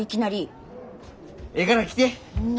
ええから来て。